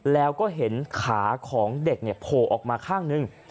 แล้วก็เห็นขาของเด็กโผล่ออกมาข้างหนึ่ง